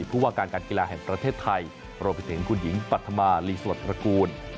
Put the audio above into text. ผู้ว่าการการกีฬาแห่งประเทศไทยรวมไปถึงคุณหญิงปัธมาลีสวัสดิตระกูล